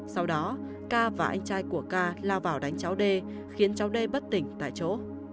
sau đó ca và anh trai của ca lao vào đánh cháu đê khiến cháu đê bất tỉnh tại chỗ